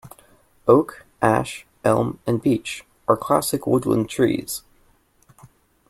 Oak, ash, elm and beech are classic woodland trees.